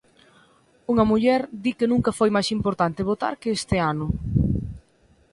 Unha muller di que nunca foi máis importante votar que este ano.